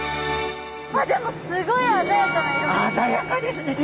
あっでもすごい鮮やかな色ですね！